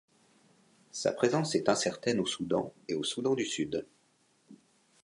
Sa présence est incertaine au Soudan et au Soudan du Sud.